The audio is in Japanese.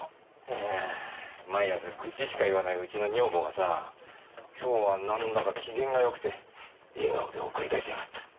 いやあ毎朝愚痴しか言わないうちの女房がさ今日はなんだか機嫌がよくて笑顔で送り出しやがった。